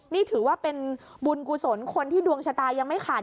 นี่ถือว่าเป็นบุญกุศลคนที่ดวงชะตายังไม่ขาด